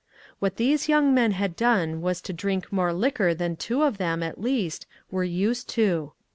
What these young men had done was to drink more liquor than two of them, atr least, were used to.